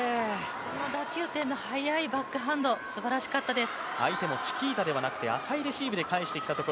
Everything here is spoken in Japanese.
打球点の速いバックハンドすばらしかったです。